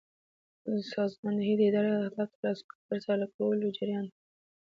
سازماندهي د اداري اهدافو د ترلاسه کولو جریان دی.